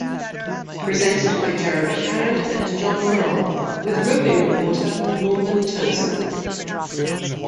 Presented by Jeremy Carrad and John Earle with roving reporter Norman Tozer.